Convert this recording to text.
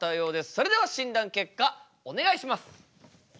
それでは診断結果お願いします！